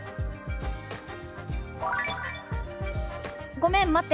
「ごめん待って。